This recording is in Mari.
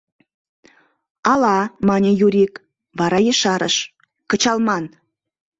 — Ала, — мане Юрик, вара ешарыш: — Кычалман.